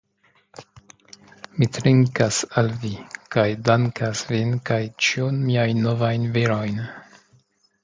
Mi trinkas al vi, kaj dankas vin kaj ĉiujn miajn novajn virojn.